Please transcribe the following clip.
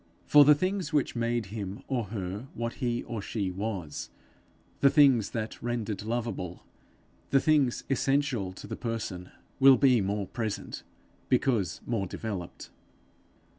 For the things which made him or her what he or she was, the things that rendered lovable, the things essential to the person, will be more present, because more developed.